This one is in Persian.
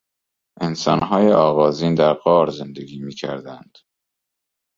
انسانهای آغازین در غار زندگی میکردند.